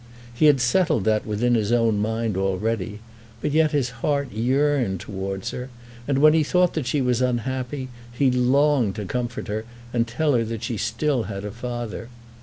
He had settled that within his own mind already; but yet his heart yearned towards her, and when he thought that she was unhappy he longed to comfort her and tell her that she still had a father.